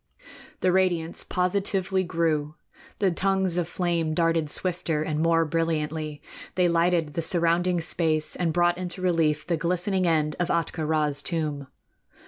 The radiance positively grew; the tongues of flame darted swifter and more brilliantly; they lighted the surrounding space and brought into relief the glistening end of Ahtka Rā's tomb.